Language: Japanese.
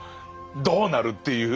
どうなるっていう。